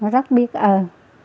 rất biết ơn